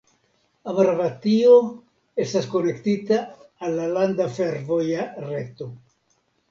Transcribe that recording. Amaravatio estas konektita al la landa fervoja reto.